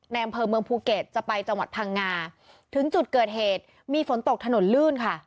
อำเภอเมืองภูเก็ตจะไปจังหวัดพังงาถึงจุดเกิดเหตุมีฝนตกถนนลื่นค่ะ